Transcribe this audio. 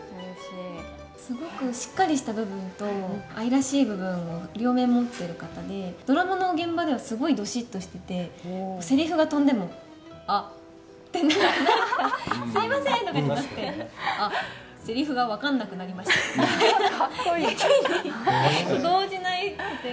すごくしっかりした部分と、愛らしい部分を両面持ってる方で、ドラマの現場ではすごいどしっとしてて、せりふが飛んでも、あって、なんかすみません！とかじゃなくて、あっ、せりふが分かんなくなりましたって。